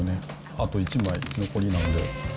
あと１枚、残りなんで。